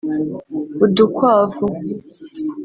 udukwavu